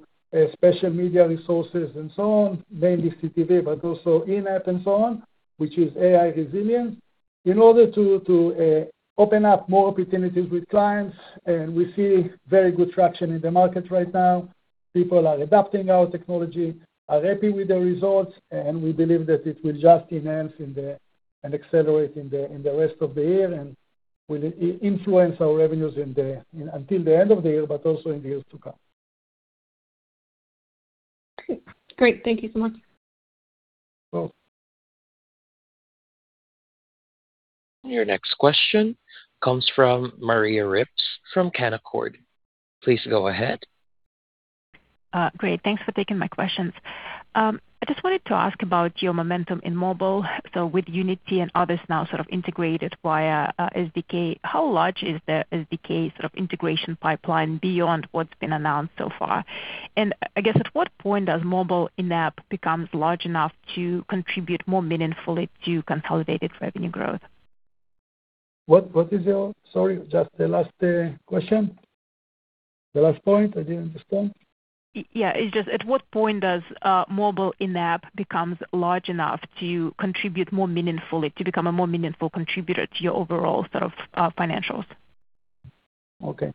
Speaker 3: special media resources and so on, mainly CTV, but also in-app and so on, which is AI resilient, in order to open up more opportunities with clients. We see very good traction in the market right now. People are adopting our technology, are happy with the results, and we believe that it will just enhance and accelerate in the rest of the year and will influence our revenues until the end of the year, but also in the years to come.
Speaker 8: Great. Thank you so much.
Speaker 3: You're welcome.
Speaker 1: Your next question comes from Maria Ripps from Canaccord. Please go ahead.
Speaker 9: Great. Thanks for taking my questions. I just wanted to ask about your momentum in mobile. With Unity and others now sort of integrated via SDK, how large is the SDK sort of integration pipeline beyond what's been announced so far? I guess, at what point does mobile in-app becomes large enough to contribute more meaningfully to consolidated revenue growth?
Speaker 3: Sorry, just the last question? The last point? I didn't understand.
Speaker 9: Yeah. It's just at what point does mobile in-app becomes large enough to contribute more meaningfully, to become a more meaningful contributor to your overall sort of financials?
Speaker 3: Okay.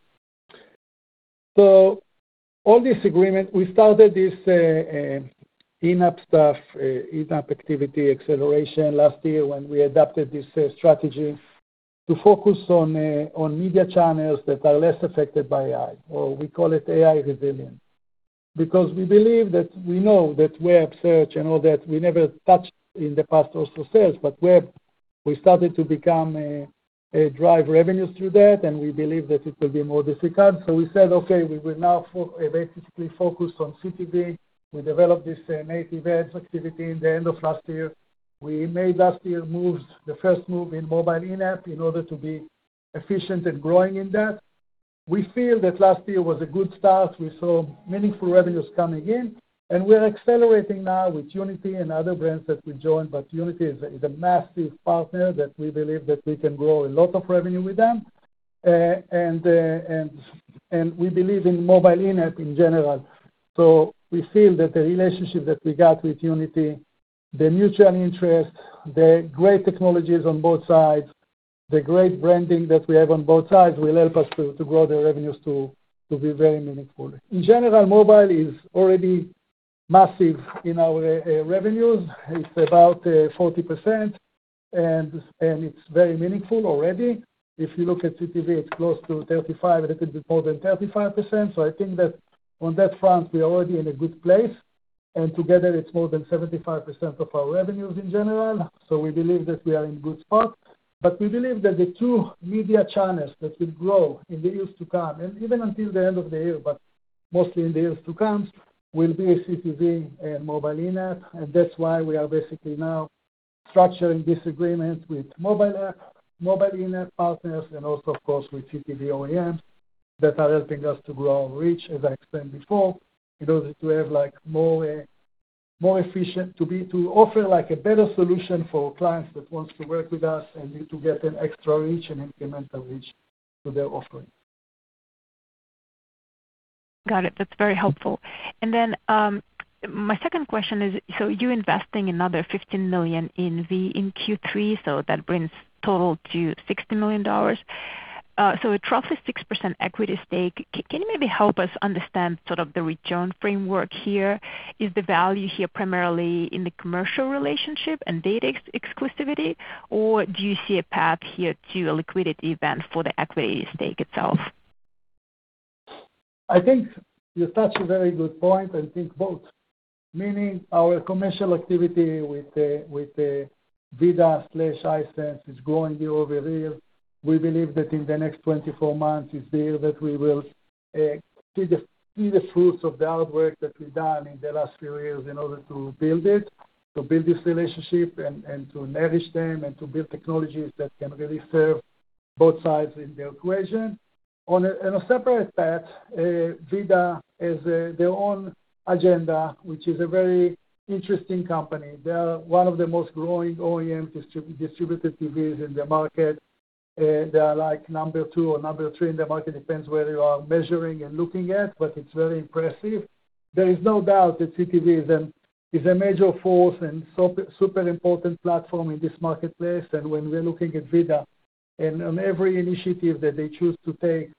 Speaker 3: All this agreement, we started this in-app stuff, in-app activity acceleration last year when we adopted this strategy to focus on media channels that are less affected by AI, or we call it AI resilience. We believe that we know that web search and all that, we never touched in the past also sales, but web, we started to become drive revenues through that, and we believe that it will be more difficult. We said, "Okay, we will now basically focus on CTV." We developed this native ads activity in the end of last year. We made last year moves, the first move in mobile in-app in order to be efficient at growing in that. We feel that last year was a good start. We saw meaningful revenues coming in. We're accelerating now with Unity and other brands that we joined. Unity is a massive partner that we believe that we can grow a lot of revenue with them. We believe in mobile in-app in general. We feel that the relationship that we got with Unity, the mutual interest, the great technologies on both sides, the great branding that we have on both sides will help us to grow the revenues to be very meaningful. In general, mobile is already massive in our revenues. It's about 40%, and it's very meaningful already. If you look at CTV, it's close to 35, a little bit more than 35%. I think that on that front, we are already in a good place. Together, it's more than 75% of our revenues in general. We believe that we are in good spot. We believe that the two media channels that will grow in the years to come, and even until the end of the year, but mostly in the years to come, will be CTV and mobile in-app. That's why we are basically now structuring this agreement with mobile app, mobile in-app partners and also, of course, with CTV OEMs that are helping us to grow our reach, as I explained before, in order to have, like, more efficient, to offer like a better solution for clients that wants to work with us and need to get an extra reach, an incremental reach to their offering.
Speaker 9: Got it. That's very helpful. My second question is, you're investing another $15 million in Q3, so that brings total to $60 million. It represents a 6% equity stake. Can you maybe help us understand sort of the return framework here? Is the value here primarily in the commercial relationship and data exclusivity? Do you see a path here to a liquidity event for the equity stake itself?
Speaker 3: I think you touched a very good point. I think both. Meaning our commercial activity with the VIDAA/Hisense is growing year over year. We believe that in the next 24 months is the year that we will see the fruits of the hard work that we've done in the last few years in order to build this relationship and to nourish them and to build technologies that can really serve both sides in the equation. On a separate path, VIDAA has their own agenda, which is a very interesting company. They are one of the most growing OEM distributed TVs in the market. They are like number two or number three in the market, depends where you are measuring and looking at, but it's very impressive. There is no doubt that CTV is a major force and super important platform in this marketplace. When we're looking at VIDAA and on every initiative that they choose to take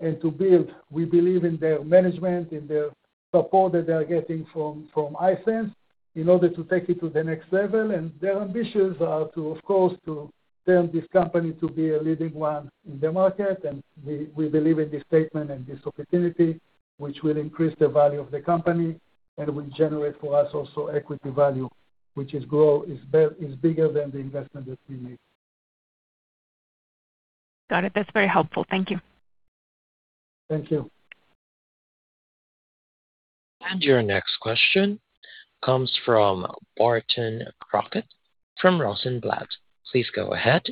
Speaker 3: and to build, we believe in their management, in their support that they are getting from Hisense in order to take it to the next level. Their ambitions are to, of course, to turn this company to be a leading one in the market. We, we believe in this statement and this opportunity, which will increase the value of the company and will generate for us also equity value, which is bigger than the investment that we made.
Speaker 9: Got it. That's very helpful. Thank you.
Speaker 3: Thank you.
Speaker 1: Your next question comes from Barton Crockett from Rosenblatt. Please go ahead.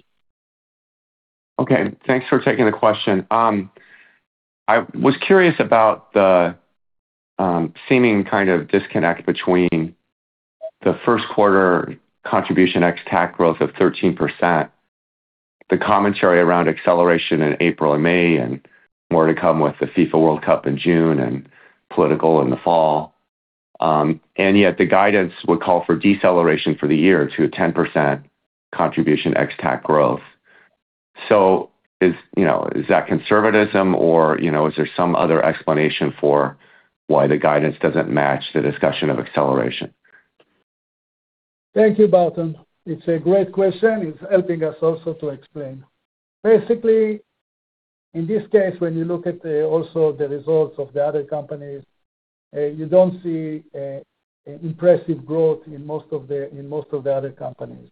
Speaker 10: Thanks for taking the question. I was curious about the seeming kind of disconnect between the first quarter Contribution ex-TAC growth of 13%, the commentary around acceleration in April and May, and more to come with the FIFA World Cup in June and political in the fall. The guidance would call for deceleration for the year to a 10% Contribution ex-TAC growth. Is, you know, is that conservatism or, you know, is there some other explanation for why the guidance doesn't match the discussion of acceleration?
Speaker 3: Thank you, Barton. It's a great question. It's helping us also to explain. Basically, in this case, when you look at also the results of the other companies, you don't see impressive growth in most of the other companies.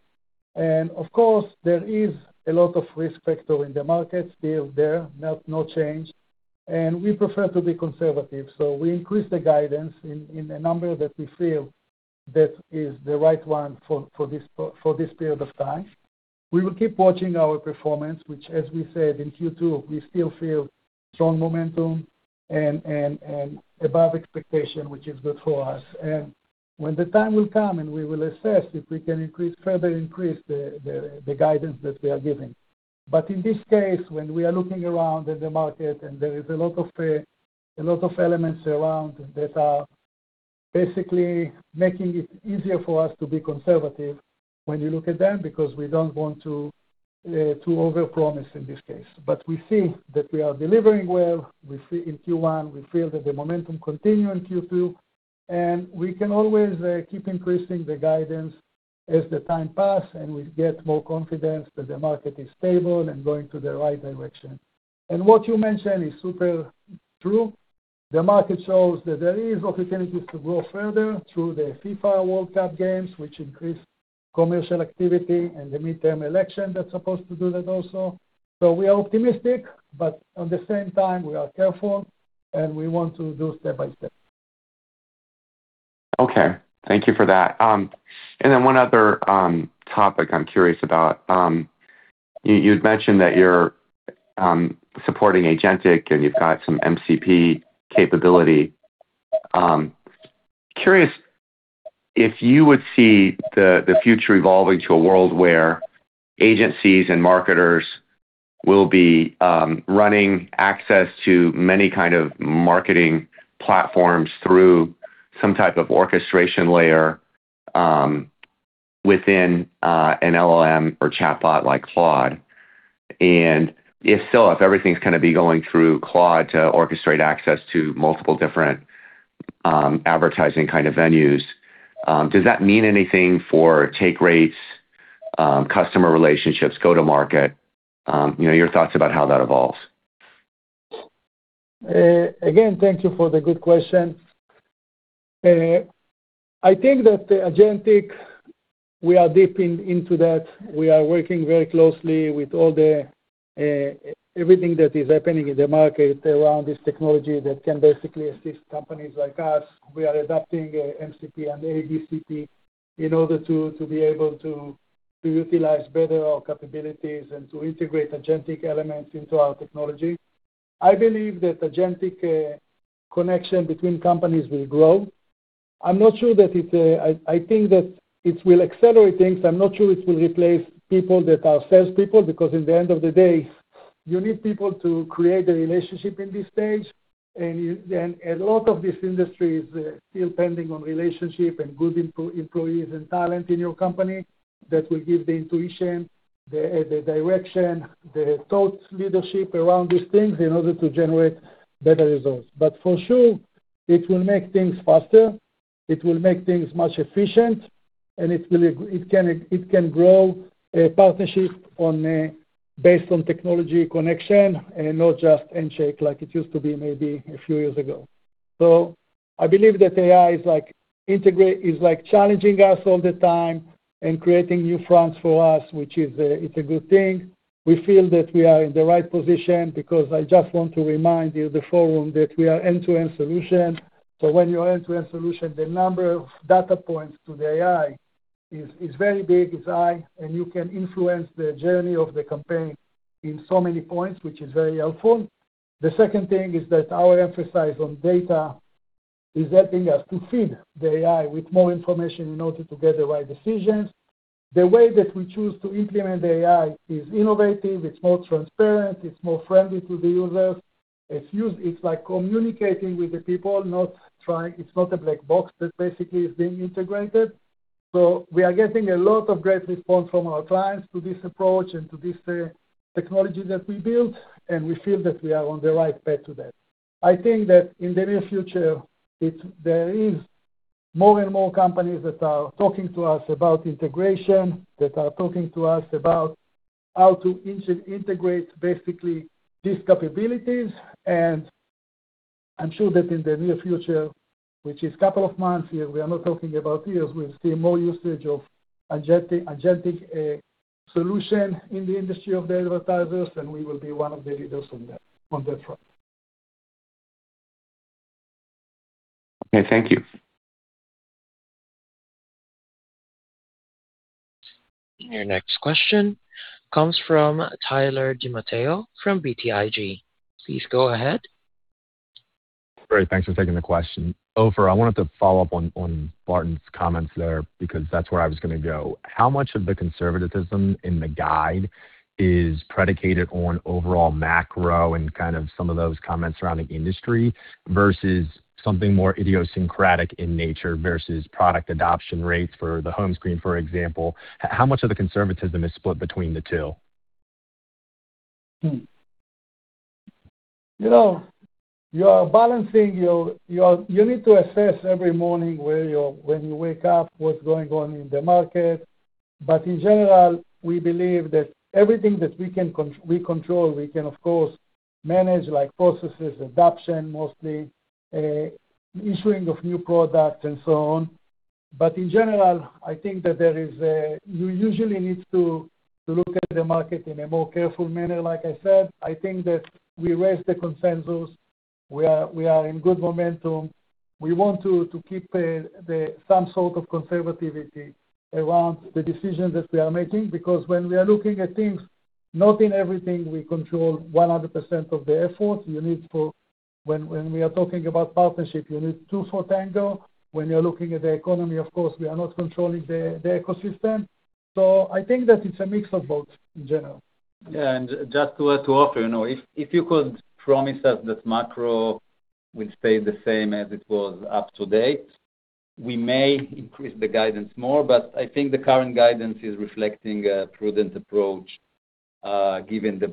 Speaker 3: Of course, there is a lot of risk factor in the market, still there, no change. We prefer to be conservative, so we increase the guidance in a number that we feel that is the right one for this period of time. We will keep watching our performance, which as we said in Q2, we still feel strong momentum and above expectation, which is good for us. When the time will come and we will assess if we can increase, further increase the guidance that we are giving. In this case, when we are looking around in the market and there is a lot of, a lot of elements around that are basically making it easier for us to be conservative when you look at them, because we don't want to overpromise in this case. We see that we are delivering well. We see in Q1, we feel that the momentum continue in Q2, we can always keep increasing the guidance as the time pass, and we get more confidence that the market is stable and going to the right direction. What you mentioned is super true. The market shows that there is opportunities to grow further through the FIFA World Cup games, which increase commercial activity and the midterm election that's supposed to do that also. We are optimistic, but at the same time, we are careful, and we want to do step by step.
Speaker 10: Okay. Thank you for that. One other topic I'm curious about. You'd mentioned that you're supporting agentic and you've got some MCP capability. Curious if you would see the future evolving to a world where agencies and marketers will be running access to many kind of marketing platforms through some type of orchestration layer within an LLM or chatbot like Claude. If so, if everything's gonna be going through Claude to orchestrate access to multiple different advertising kind of venues, does that mean anything for take rates, customer relationships, go-to-market? You know, your thoughts about how that evolves.
Speaker 3: Again, thank you for the good question. I think that the agentic, we are dipping into that. We are working very closely with all the, everything that is happening in the market around this technology that can basically assist companies like us. We are adapting MCP and AGCP in order to be able to utilize better our capabilities and to integrate agentic elements into our technology. I believe that agentic connection between companies will grow. I'm not sure that it, I think that it will accelerate things. I'm not sure it will replace people that are salespeople, because in the end of the day, you need people to create a relationship in this stage. A lot of this industry is still pending on relationship and good employees and talent in your company that will give the intuition, the direction, the thought leadership around these things in order to generate better results. For sure, it will make things faster, it will make things much efficient, and it will, it can, it can grow a partnership based on technology connection and not just handshake like it used to be maybe a few years ago. I believe that AI is like challenging us all the time and creating new fronts for us, which is a good thing. We feel that we are in the right position because I just want to remind you, the forum, that we are end-to-end solution. When you're end-to-end solution, the number of data points to the AI is very big, it's high, and you can influence the journey of the campaign in so many points, which is very helpful. The second thing is that our emphasis on data is helping us to feed the AI with more information in order to get the right decisions. The way that we choose to implement the AI is innovative, it's more transparent, it's more friendly to the users. It's like communicating with the people, not a black box that basically is being integrated. We are getting a lot of great response from our clients to this approach and to this technology that we built, and we feel that we are on the right path to that. I think that in the near future, there is more and more companies that are talking to us about integration, that are talking to us about how to integrate basically these capabilities. I'm sure that in the near future, which is couple of months here, we are not talking about years, we'll see more usage of agentic solution in the industry of the advertisers, and we will be one of the leaders on that front. Okay, thank you.
Speaker 1: Your next question comes from Tyler DiMatteo from BTIG. Please go ahead.
Speaker 11: Great. Thanks for taking the question. Ofer, I wanted to follow up on Barton's comments there because that's where I was gonna go. How much of the conservatism in the guide is predicated on overall macro and kind of some of those comments around the industry versus something more idiosyncratic in nature versus product adoption rates for the home screen, for example. How much of the conservatism is split between the two?
Speaker 3: You know, you need to assess every morning when you wake up, what's going on in the market. In general, we believe that everything that we control, we can of course manage, like processes, adoption mostly, issuing of new products and so on. In general, I think that you usually need to look at the market in a more careful manner. Like I said, I think that we raised the consensus. We are in good momentum. We want to keep some sort of conservativity around the decisions that we are making because when we are looking at things, not in everything we control 100% of the effort. When we are talking about partnership, you need two for tango. When you're looking at the economy, of course we are not controlling the ecosystem. I think that it's a mix of both in general.
Speaker 4: Yeah. Just to add to Ofer, you know, if you could promise us that macro will stay the same as it was up to date, we may increase the guidance more. I think the current guidance is reflecting a prudent approach, given the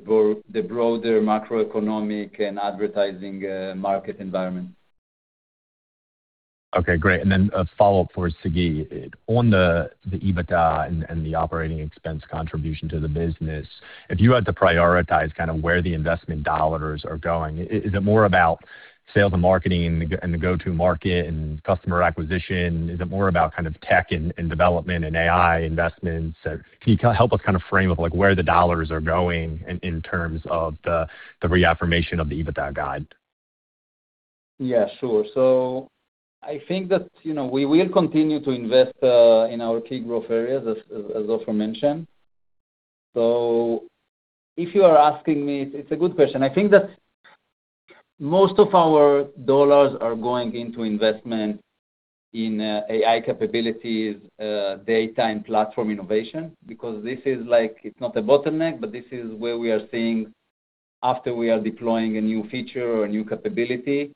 Speaker 4: broader macroeconomic and advertising market environment.
Speaker 11: Okay, great. Then a follow-up for Sagi. On the EBITDA and the operating expense contribution to the business, if you had to prioritize kinda where the investment dollars are going, is it more about sales and marketing and the go-to-market and customer acquisition? Is it more about kind of tech and development and AI investments? Can you help us kind of frame up, like, where the dollars are going in terms of the reaffirmation of the EBITDA guide?
Speaker 4: Yeah, sure. I think that, you know, we will continue to invest in our key growth areas as Ofer mentioned. It's a good question. I think that most of our dollars are going into investment in AI capabilities, data and platform innovation because this is like It's not a bottleneck, but this is where we are seeing after we are deploying a new feature or a new capability,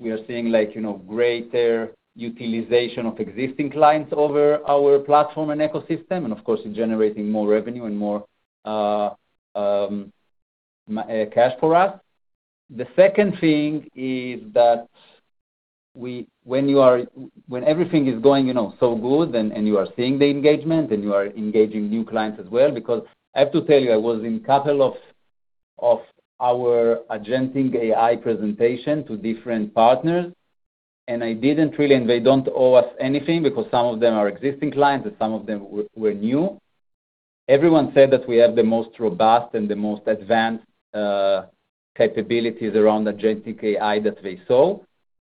Speaker 4: we are seeing like, you know, greater utilization of existing clients over our platform and ecosystem, and of course, generating more revenue and more cash for us. The second thing is that when everything is going, you know, so good and you are seeing the engagement, and you are engaging new clients as well because I have to tell you, I was in couple of our agentic AI presentation to different partners. I didn't really. They don't owe us anything because some of them are existing clients and some of them were new. Everyone said that we have the most robust and the most advanced capabilities around agentic AI that they saw.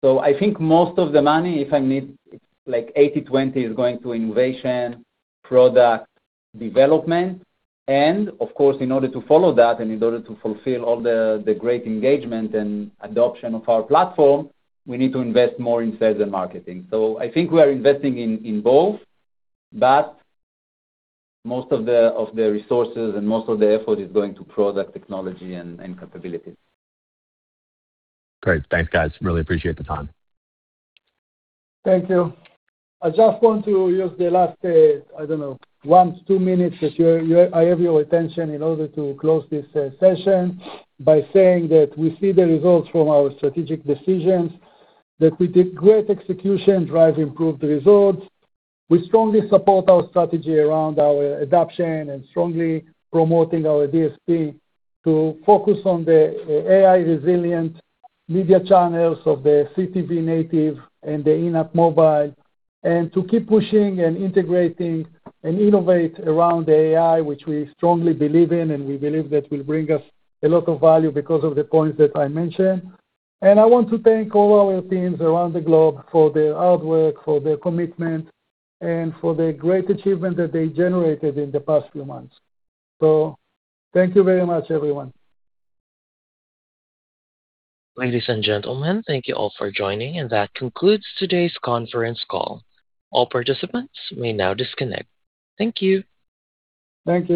Speaker 4: I think most of the money, if I need like 80/20, is going to innovation, product development. Of course, in order to follow that and in order to fulfill all the great engagement and adoption of our platform, we need to invest more in sales and marketing. I think we are investing in both, but most of the, of the resources and most of the effort is going to product technology and capabilities.
Speaker 11: Great. Thanks, guys. Really appreciate the time.
Speaker 3: Thank you. I just want to use the last, I don't know, one, two minutes that I have your attention in order to close this session by saying that we see the results from our strategic decisions, that we did great execution, drive improved results. We strongly support our strategy around our adoption and strongly promoting our DSP to focus on the AI resilient media channels of the CTV native and the in-app mobile, and to keep pushing and integrating and innovate around AI, which we strongly believe in, and we believe that will bring us a lot of value because of the points that I mentioned. I want to thank all our teams around the globe for their hard work, for their commitment, and for the great achievement that they generated in the past few months. Thank you very much, everyone.
Speaker 1: Ladies and gentlemen, thank you all for joining, and that concludes today's conference call. All participants may now disconnect. Thank you.
Speaker 3: Thank you.